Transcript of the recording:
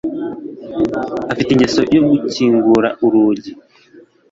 Afite ingeso yo gukingura urugi.